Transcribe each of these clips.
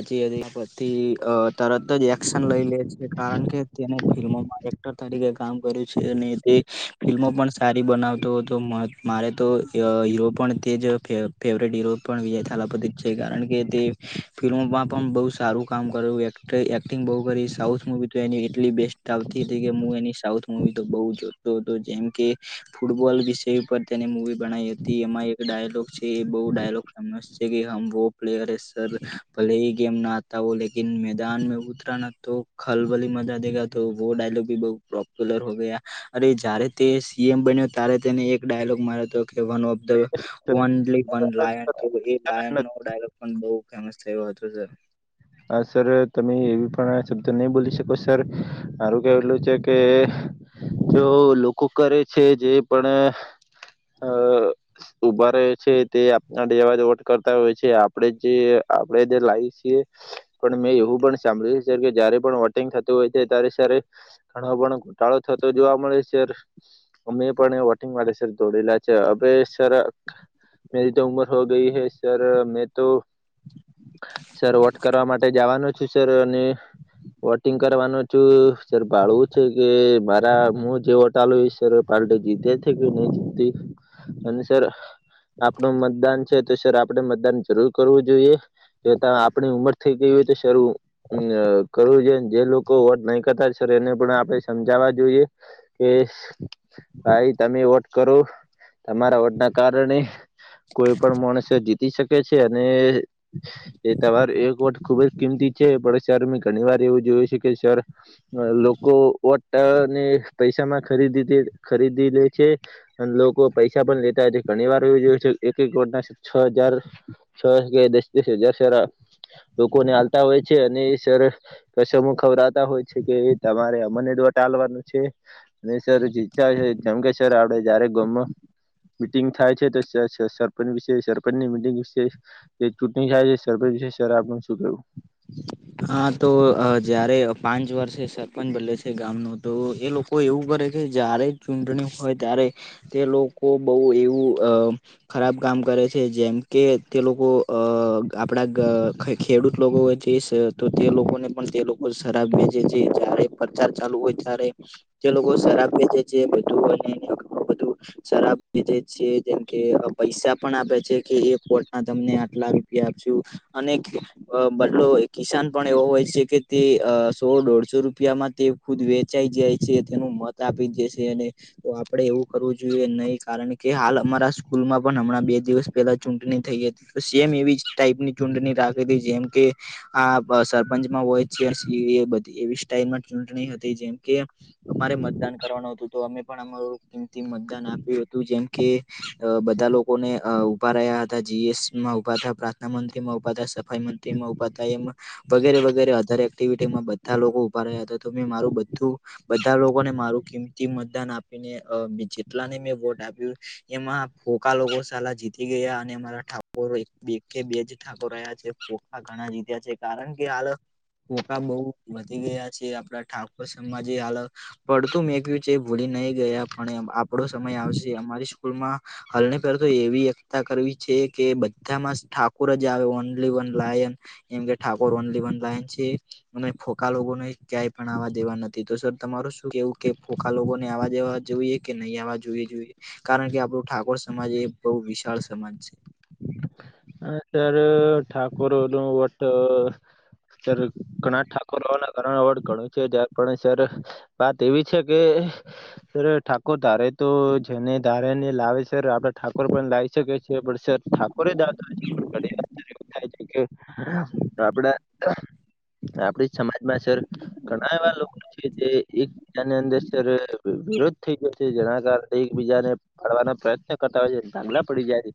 હજી એદિના પરથી, અ તરત જ એક્શન લઈ લે છે, કારણ કે તેને ફિલ્મોમાં એક એકટર તરીકે કામ કર્યું છે, અને તે ફિલ્મો પણ સારી બનાવતો હતો. મદ મારે તો ય હીરો, પણ તે જ ફે ફેવરેટ હીરો પણ વિજય થલપતિ જ છે, કારણ કે તે ફિલ્મોમાં પણ બઉ સારું કામ કર્યું, એકટ એક્ટિંગ બઉ કરી. સાઉથ મુવી તો એની એટલી બેસ્ટ તાઉતી તે કે, મું એની સાઉથ મુવી તો બઉ જોતો હતો, જેમ કે ફૂડબોલ વિષય પર તેની મૂવી બનાઈ હતી. એમાં એક ડાયલોગ છે, એ બઉ ડાયલોગ ફેમસ છે કે, હમ વો પ્લેયરે, સર. ભલે ઈ ગેમ ના આતા હો, લેકિન મેદાનમે ઉતરા ના તો ખલબલી મજા દેગા. તો વો ડાયલોગ ભી બોવ પ્રોપ્યુલર હો ગયા. અરે, જારે તે સીએ બન્યો, તારે તેને એક ડાયલોગ માર્યો તો કે, one of the only one lion, તો હા એ આયન. નો ડાયલોગ પણ બઉ ફેમસ થયો હતો, સર. હા, સર, તમે એવી પણ શબ્દ નઈ બોલી શકો. સર, મારું કેવું એટલું છે કે જો લોકો કરે છે, જે પણ, અ ઉભા રે છે, તે આપના દેવા જ વોટ કરતા હોય છે. આપડે જે આપડે જે લાઈ છીએ. પણ મેં એવું પણ સાંભળ્યું, સર, કે જયારે પણ વોટિંગ થતું હોય છે, ત્યારે, સર, એ ઘણો પણ ઘોટાળો થતો જોવા મળે સર. અમે પણ વોટિંગ માટે, સર, દોડેલા છે, હવે, સર મેરી તો ઉમર હો ગઈ હૈ, સર. મેં તો, સર, વોટ કરવા માટે. જવાનો છું, સર, અને વોટિંગ કરવાનું છું, સર. ભાળવું છે કે, મારા હું જે વોટાલું સર. પાર્ટી જીતે છે કે નહીં જીતતી, અને, સર આપણું મતદાન છે, તો, સર, આપણે મતદાન જરૂર કરવું જોઈએ, જો આપણી ઉંમર થઈ ગયું હોય, તો શરૂવું. અમ કરવું જોઈ. જે લોકો વોટ નહીં કરતા, સર, એને પણ આપે સમજાવા જોઈએ. કે, ભાઈ, તમે વોટ કરો. તમારા વોટ ના કારણે કોઈ પણ માણસ જીતી શકે છે, અને એ તમારે ખુબ જ કિંમતી છે. પણ, સર, મે ઘણી વાર એવું જોયું છે કે, સર અ લોકો વટ ને પૈસા માં ખરીદી ખરીદી લે છે. અને લોકો પૈસા પણ લેતા છે. ઘણી વાર એ જોયું છે, એક એક વર્ડના છ હજાર છ એટલે દસ-દસ લોકો ને હાલતા હોય છે, અને, સર. કછમુ ખવરાતા હોય છે, કે તમારે અમને વોટ ટાલવાનું છે. ન, સર. જી જમકેશ્વર આપડે જયારે ગમો મિટિંગ થાય છે, તો સરપંચ વિશે, સરપંચની મિટિંગ વિશે એ ચૂંટણી થાય છે, સરપંચ છે. સર, આપને શું કેવું હા, તો જયારે પાંચ વર્ષે સરપંચ બદલે છે ગામનો, તો એ લોકો કોઈ એવું કરે કે, જ્યારે ચૂંટણી હોય, ત્યારે તે લોકો બહુ એવું, અ ખરાબ કામ કરે છે જેમ કે તે લોકો અ આપડા ગ ખય ખેડૂત લોકો જે સ તો તે લોકોને પણ તે લોકો શરાબ વેચે છે જ્યારે પ્રચાર ચાલુ હોય ત્યારે તે લોકો શરાબ વેચે છે બધું અને ઘણું બધું શરાબ વેચે છે જેમકે પૈસા પણ આપે છે કે એક [unintelligible] ના તમને આટલા રૂપિયા આપશુ. અને ખ બદલો ઓય. કિસાન પણ એવો હોય છે કે તે અ સો દોઢસો રૂપિયામાં તે ખુદ વેચાઈ જાય છે. તેનું મત તાપી જશે અને તો આપડે એવું કરવું જોઈએ નય કારણ કે હાલ અમારા સ્કૂલમાં પણ હમણાં બે દિવસ પહેલા ચૂંટણી થઈ હતી. સેમ એવી જ ટાઈપની ચુંડણી રાખી હતી જેમ કે આ પ સરપંચમાં હોય છે બધી એવી સ્ટાઈલમાં ચૂંટણી હતી જેમ કે અમારે મતદાન કરવાનું હતું તો અમે પણ અમારું કીમતી મતદાન આપ્યું હતું જેમ કે અ બધા લોકોને અ ઉભા રહ્યા હતા જીએસ માં ઉભા હતા, પ્રાર્થના મંત્રી માં ઉભા હતા, સફાઈ મંત્રી થી માં ઊભા વગેરે વગેરે અધર એક્ટિવિટીમાં બધા લોકો ઉભા રહ્યા હતા તો મેં મારું બધું બધા લોકોને મારું કિંમતી મતદાન આપીને અ જેટલા ને મેં વોટ આપ્યું એમાં ફોકા લોકો સાલા જીતી ગયા અને મારા ઠાકોરો એક કે બે જ ઠકોરો રહ્યા છે ફોખા ઘણા જીત્યા છે કારણ કે આ ફોકા બો વધી ગયા છે આપડા ઠાકોર સમાજે હાલ પડતું મેંકયું છે ભૂલી નઈ ગયા પણ આપડો સમય આવશે. અમારી સ્કૂલમાં હાલને પે તો એવી એકતા કરવી છે કે બધામાં ઠાકોર જ આવે ઓનલી વન લાયન એમ કે ઠાકોર વન લાયન છે. ભલે ફોકા લોકોને ક્યાં પણ આવા દેવા નથી તો સર તમાર શું કેવું કે ફોકા લોકો ને આવા દેવા જોઈએ. કે નય આવા જોઈએ જોઈએ કારણ કે આપણું ઠાકોર સમાજ એ બો વિશાળ સમાજ છે. હા ત્યારે ઠાકોરો નું વટે સર ગણા ઠાકોર હોવાના કારણ અવર્ડ ઘણું છે [unintelligible] સર વાત એવી છે કે સર ઠાકોર ધારે તો જેને ધારે ને લાવે સર આપડે ઠાકોર પણ લાવી શકે છીએ પણ કોને હોય એવું થાય છે કે આપડા આપડી સમાજમાં સર ઘણા એવા લોકો છે જે એકબીજાની અંદર સર વિરોધ થઈ ગયો છે જેના કારણે એકબીજા ને ફાડવાના પ્રયત્ન કરતા હોય છે ધાંગલા પડી જાય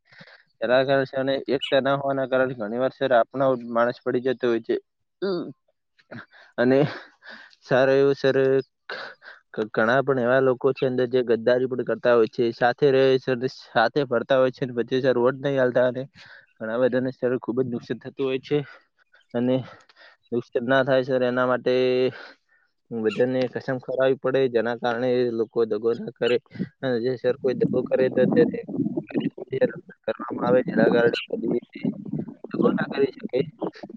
એના કારણે ને એકતા ના હોવાના કારણે ઘણી વાર સર આપનો માણસ છોડી જતો હોય છે. હમમ અને સારું એવું સર ઘણા પણ એવા લોકો છે અંદર જે ગદ્દારી પણ કરતા હોય છે સાથે રહે છે. સાથે ફરતા હોય છે ને પછી સર. [unintelligible] નય હલતા ને ઘણા બધા ને સારુ ખુબ જ નુકસાન થતું હોય છે. અને મિસ્ટેક્ ના થાય છે એના માટે હું બધાને કસમ ખવરાવવી પડે જેના કારણે એ લોકો દગો ના કરે. ને જે સર કોઈ દગો કરે તો તેને [unintelligible] કરવામાં આવે જેના કારણે દગો ના કરી શકે.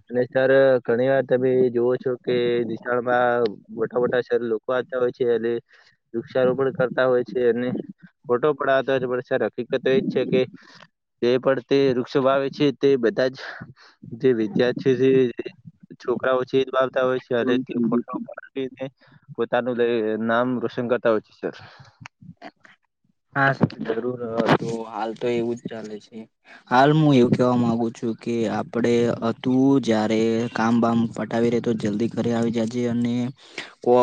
અને સર ઘણી વાર તમે જોવો છો કે વિશાળમાં મોટા મોટા શહેર લોકો આવતા હોય છે અને વૃક્ષા રોપણ કરતા હોય છે અને ફોટો પડાવતા હોય પણ સર હકીકત તો એ જ છે કે તે પણ તે વૃક્ષો વાવે છે તે બધા જ જે વિદ્યાર્થી, જે છોકરાઓ છે એ જ વાવતા હોય છે અને તે બ ફોટો પાડીને પોતાનું લઈ નામ રોશન કરતા હોય છે સર. હા સર જરૂર હતું. હાલ તો એવુંજ ચાલે છે. હાલ હું એવું કહેવા માગુ છુ કે આપણે હતું જયારે કામ બામ પટાવી રહેે તો જલ્દી ઘરે આવી જાય જે અને કો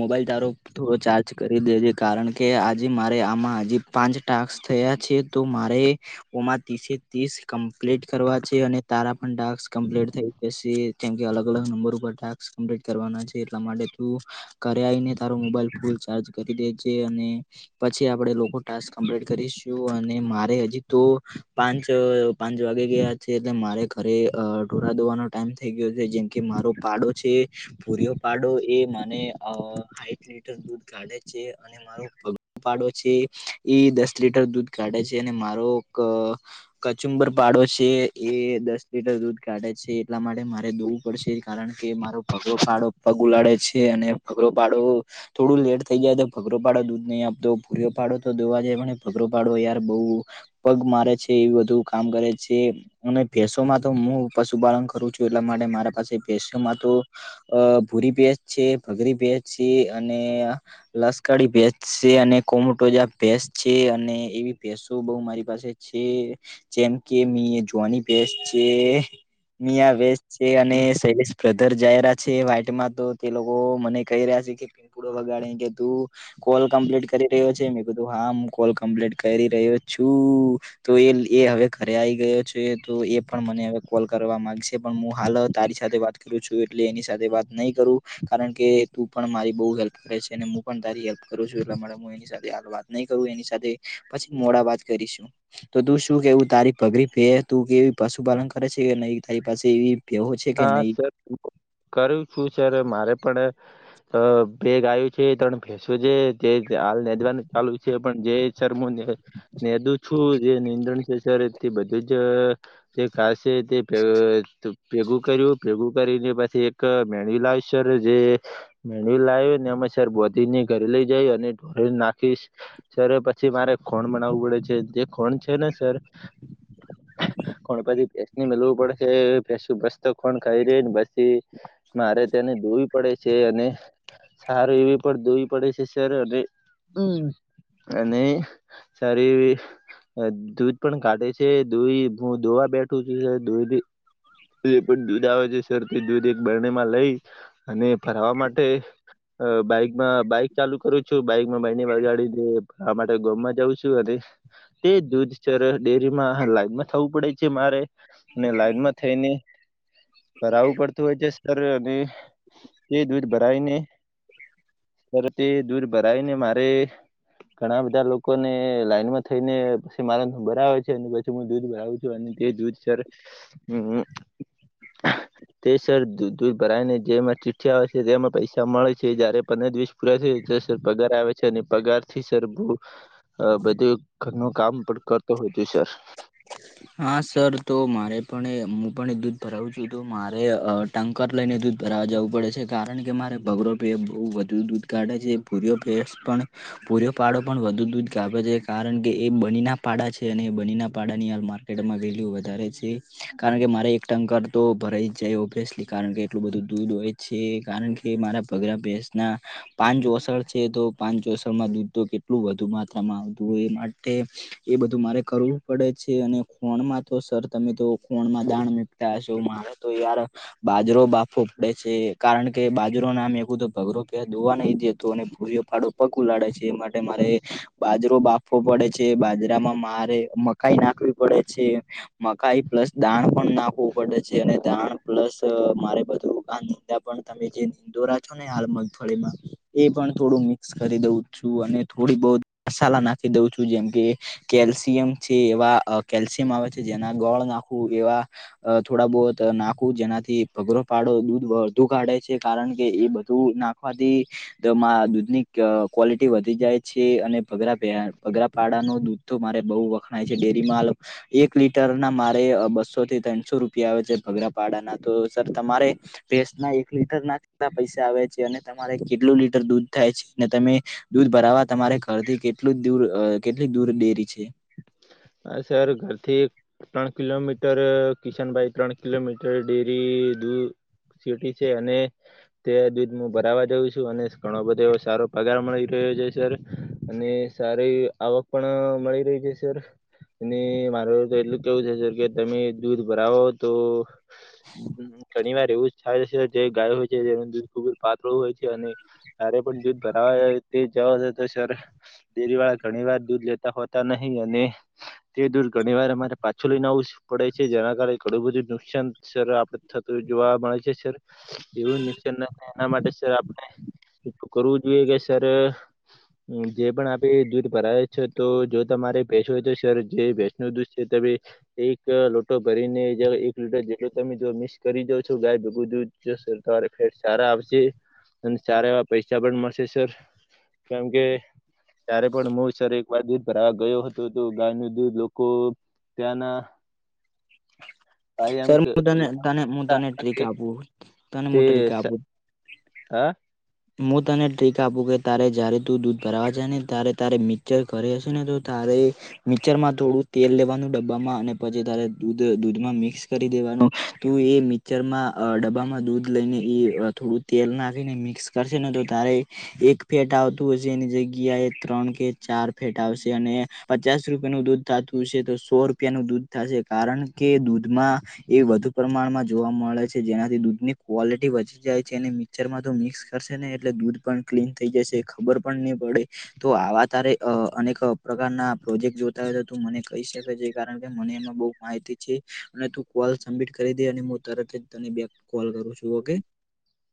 મોબાઈલ તારો થોડો ચાર્જ કરી દે છે કારણ કે- કે આજે મારે આમાં હજ પાંચ ટાક થયા છે. તો મારે- ઓમાં ત્રીસે ત્રીસ કમ્પ્લીટ કરવા છે અને તારા પણ ટાસ કમ્પ્લીટ થાય. મ અલગ અલગ નંબર ઉપર ટ્પ્ટ કરવાના છે. એટલા માટે. ઘરે આવીને તારો મોબાઈલ ફૂલ ચાર્જ કરી દે છે અને. પછી આપણે લોકો ટાક કમ્પ્લીટ કરીશું અને મારે હજી તો પાંચ. પાંચ વાગે ગયા છે એટલે મારે ઘરે ઢોરા દોવાનો ટાઈમ થઈ ગયો છે જેમ કે મારો પાડો છે. પુરિયો પાડો એ મને સાાઈઠ લીટર દૂધ કાઢે છે અને મારો. પાડો છે એ દસ લીટર દૂધ કાઢે છે અને મારો. કચુંબર પાડો છે એ દસ લીટર દૂધ કાઢે છે એટલા માટે મારે દઉ. કારણ કે મારો ભગરો પાડો પગ ઉલાડે છે અને ભગરો પાડો. થોડું લેટ થઈ જાય તો ભઘરો પાડો દૂધ. નહી આપતો ભૂરયો પાડો તો દોવા જાય પણ ભઘરો પાડો યાર બહ. પગ મારે છે એ બધું કામ કરે છે. અને ભેસોમાં તો હું પશુપાલન કરું છું એટલા માટે મારા પાસે ભેસોમાં તો. અ ભૂરી ભેજ છે ભગરી ભેજ છે. અને લશકાડી ભેજ. છે અને કોમોટો જે ભેસ છે અને એવી ભેસો બહ મારી પાસે છે. જેમ કે મ જોની બેસ છે મિયા બેચ છે અને શૈલેષ- બ્રધર જઈ રહ્યા છે વાાઈટમાં તો તે લોકો મને કહી રહ્યા છે. પૂડ વગાડ કે તું. કોલ કમ્પ્લીટ કરી રહ્યો છે મેં કીધું હા હું કોલ કમ્પ્લીટ કરી રહ્યો છું. તો એ એ હવે ઘરે આવી ગયો છે તો એ પણ મને હવે કોલ કરવા માગશે પણ હું હાલ તારી સાથે વાત. છું એટલે એની સાથે વાત નહી કરું કારણ કે તું પણ મારી બઉ હેલ્પ કરે છે અને હું પણ તારી હેલ્પ. કરું છું એટલા માટે હું એની સાથે હાલ વાત નહી કરું એની સાથે પછી મોડા વાત કરીશું. તો તું શું કેવું તારી પગરી પે તું કે એવી પશુપાલન કરે છે કે નહીં તારી પાસે એવી. ભેહો છે કે હા નહી સર કરું છું સર મારે પણ. અ બેગું છે ત્રણ ભેસો છે તે હાલદવાનું ચાલુ છે પણ જે. શર્મ નેધું. -જે નિંદણ છે સર તે બધું જ જે ખાસ છે તે. ભેગું કર્યું ભેગું કરીને પછી એક મેણવીલાવસ જે- મેંદીલાવ ને અમે સર બોધીને ઘરે લઈ જઈ અને ઢોરીને નાખીશ, સર પછી મારે ખોણ બનાવવું પડે છે, જે ખોંણ છે, ને સર- ગણપતિસની મલવું પડે છે, કે શું બસ તો ખોણ ખાઈ રે ને પછી મારે તેને ધોવી પડે છે, અને સારું એવી પણ દોવી પડે છે, સર અને હ, અને સારી એવી- દૂધ પણ કાઢે છે દોહી હું દોવા બેઠું છું દોહી- જે પણ દૂધ આવે છે સરથી દૂધ એક બરણી માં લઈ અને ભરવા માટે- બાઈકમાં બાઈક ચાલુ કરું છું બાઈકમાં બને બગાડી દ આ માટે ગમમાં જઉં છું અને, તે દૂધચર ડેરીમાં લાઈન માં થવું પડે છે, મારે ને લાઈનમાં- થઠઈ ને - ભરાવું પડતું હોય છે સર અને એ દૂધ ભરાવીને- ત તે દૂર ભરાય ને મારે, ઘણા બધા લોકોને લાઈનમાં થઈને પછી મારો નંબર આવે છે, અને પછી- હું દૂધ ભરાવું છું અને તે દૂધ સર હમ્મ તે સર દૂધ ભરાયને જેમાં ચિઠી આવે છે તેમાં પૈસા મળે છે. જયારે પને દસ- પરા સર પગાર આવે છે, અને પગારથી સર બહુ- હ બધું ઘરનું કામ પણ કરતો હોયત સર, હા સર તો મારે પણ હું પણ દૂધ ભરાવું છું તો મારે- ટંકર લઈને દૂધ ભરાવા જવું પડે છે, કારણ કે મારે ભગરો પ બહુ વધુ દૂધ કાઢે છે, [unintelligible] પૂરયો પાડો પણ વધુ દૂધ કાપે છે, કારણ કે એ બનીના પાડા છે અને એ બનીના પાડાની હાલ મા ગયે વધારે છે કારણ કે મારે એક ટંકર તો ભરાઈ જ જાય ઓબલેશી કારણ કે એટલું બધું દૂધ હોય છે, કારણ કે મારા ભગરા ભેસ ના પાંજો અસર છે તો પાંજો અસરમાં દૂધ તો કેટલું વધુ માત્રામાં આવતું હોય એ માટે એ બધું મારે કરવું પડે છે, અને ખોણ માં તો સર તમે તો ખોણમાં દાણ મકતા હશો મારે તો યાર, બાજરો બાફો પડે છે, કારણ કે બાજરો નામ એવું તો ભઘરો ક દોવા નહ દેતો ને પુરે ફાડો પગ ઉલાડે છે એ માટે મારે બાજરો બાફવો પડે છે બાજરામાં મારે મકાઈ નાખવી પડે છે, મકાઈ પ્લસ દાણ પણ નાખવું પડે છે, અને દાણ પ્લસ મારે બધું તમે જે દોરા છો ને હાલ મગફળીમાં એ પણ થોડું મિક્સ કરી દઉં છું અને થોડી બહ મસાલા નાખી દઉં છું જેમ કે કેલ્શિયમ છે એવા કેલ્શિયમ આવે છે, જેના ગળ નાખવું એવા થોડા બહત નાખવું જેનાથી ભગરો પાડો દૂધ વધુ કાઢે છે, કારણ કે એ બધું નાખ વાદી તોમાં દૂધ ની ક્વોલિટી વધી જાય છે, અને ભઘરા ભઘરા પાડાનું દૂધ તો મારે બહુ વખણાય છે, ડેરીમાં એક લીટર ના મારે બસો થી ત્રણસો રૂપિયા આવે છે, ભગરાપાડાના તો સર તમારે ભેંસનાએક લીટર ના કેટલા પૈસા આવે છે, અને તમારે કેટલું લીટર દૂધ થાય છે ને તમે, દૂધ ભરાવા તમારે ઘરથી કેટલું દૂર કેટલી દૂર ડેરી છે, હ સર ઘરથી ત્રણ કિલોમીટર કિશનભાઈ ત્રણ કિલોમીટર ડેરી દૂ સિટી છે અને, તેયા દૂધમાંભરાવા જાઉં છું અને ઘણો બધો એવો સારો પગાર મળી રહ્યો છે સર અને સારી આવક પણ મળી રહી છે સર, અને મારે તો એટલું કેવું છે, સર કે તમે દૂધ ભરાવો તો ઘણી વાર એવું જ થાય જે ગાય હોય છે જેનું દૂધ ખૂબ જ પાતળું હોય છે, અને તારે પણ દૂધ ભરાવા તે જવાથી તો સર, ડેરી વાળા ઘણી વાર દૂધ લેતા હોતા નહીં અને તે દૂધ ઘણી વાર અમારે પાછું લઈને આ પડે છે જેના કારણે ઘણું બધું નુકસાન સર આપડે થતું જોવા મળે છે સર [unintelligible] એના માટે આપણે કરવું જોયે કે સર હમ્મ જે પણ આપે દૂધ ભરાવે છે તો જો તમારે [unintelligible] સર જે ભેંશ નુ દૂધ છે તે એક લોટો ભરીને એક લીટર જેટલું તમે જો મિક્સ કરી જાાવ છો ગાય ભેગું તોરે ફેર સારા આવશે અને સારા એવા પૈસા પણ મળશે સર કેમ કે તારે પણ મો સર એક વાર દૂધ ભરવા ગયો હતો તો ગાયનું દૂધ લોકો ત્યાંના ભાઈ એમ સરું કે- તને તનેું તને ટ્રીક આપું ત મે ટ્રીક આપું અ હું તને ટ્રીક આપું કે તારે જય્યારે તું દૂધ ભરાવા જ ને તારે તારે મિક્સચર કર હશે ને તો તારે મિક્ચર માં થોડું તેલ લેવાનું ડબ્બામાં અને પછી તારે દૂધ દૂધમાં મિક્સ કરી દેવાનું તુએ મિક્ચરમાં ડબ્બામાં દૂધ લઈને એ થોડું તેલ નાખીને મિક્સ કરશે ને તો તારે એક ફેટ આવતું હશે એની જગ્યાએ ત્રણ કે ચાર ફેટ આવશે અને પચાસ રૂપિયાનું દૂધ થાતું હશે તો સો રૂપિયાનું દૂધ થાશે કારણ કે દૂધમાં એ વધુ પ્રમાણમાં જોવા મળે છે જેનાથી દૂધ ની ક્વોલિટી વધી જાય છે અને મીચરમાં તો મિક્સ કરશે ને એટલે દૂધ પણ ક્લીન થઈ જશે ખબર પણ નઈ પડે તો આવા તારે અનેક પ્રકારના પ્રોજેક્ટ જોતા હોય તો ત મને કહી શકે છે કારણ કે મને એમાં બઉ માહિતી છે અને તું કોલ સબમિટ કરી દે અને હું તરત જ તેને બેક કોલ કરું છું ઓકે.